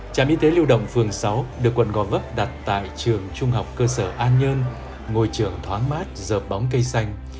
trạm y tế lưu đồng phường sáu được quận gò vấp đặt tại trường trung học cơ sở an nhơn ngôi trường thoáng mát dợp bóng cây xanh